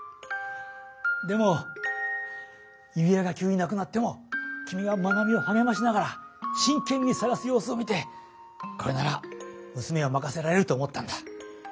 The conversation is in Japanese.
でも指輪が急になくなっても君がまなみをはげましながら真けんに探す様子を見てこれならむすめをまかせられると思ったんだ。